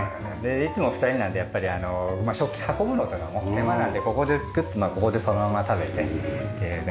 いつも２人なんでやっぱりあの食器運ぶのとかも手間なのでここで作ってここでそのまま食べてっていうね。